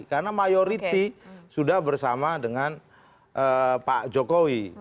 karena mayoriti sudah bersama dengan pak jokowi